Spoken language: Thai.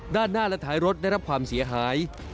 ด้านหน้าและท้ายรถได้รับความเสียหาย